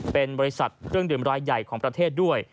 เป็นบริษัทเครื่องดื่มรายใหญ่ของประเทศด้วย